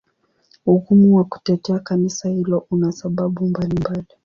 Ugumu wa kutetea Kanisa hilo una sababu mbalimbali.